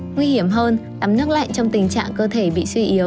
nguy hiểm hơn ấm nước lạnh trong tình trạng cơ thể bị suy yếu